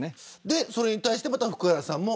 それに対して福原さんも。